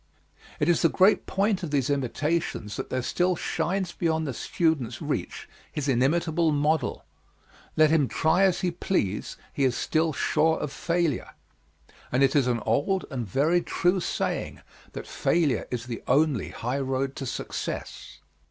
It is the great point of these imitations that there still shines beyond the student's reach, his inimitable model. Let him try as he please, he is still sure of failure; and it is an old and very true saying that failure is the only highroad to success.